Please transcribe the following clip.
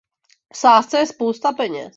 V sázce je spousta peněz.